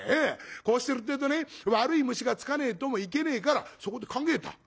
こうしてるってえとね悪い虫がつかねえともいけねえからそこで考えた。